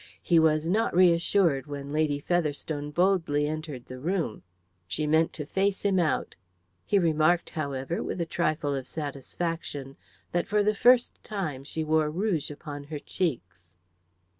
He was not reassured when Lady Featherstone boldly entered the room; she meant to face him out. He remarked, however, with a trifle of satisfaction that for the first time she wore rouge upon her cheeks.